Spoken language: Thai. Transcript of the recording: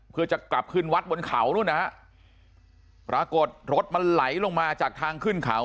เพื่อจะกลับขึ้นวัดบนเขานู่นนะฮะปรากฏรถมันไหลลงมาจากทางขึ้นเขา